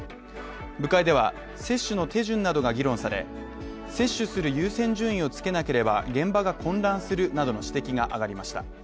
部会では、接種の手順などが議論され、接種する優先順位をつけなければ現場が混乱するなどの指摘が上がりました。